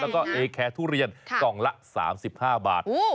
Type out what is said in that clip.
แล้วก็เอแคร์ทุเรียนกล่องละ๓๕บาท